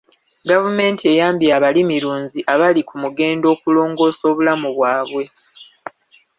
Gavumenti eyambye abalimirunzi abali ku mugendo okulongoosa obulamu bwabwe.